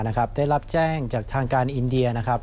ได้รับแจ้งจากทางการอินเดีย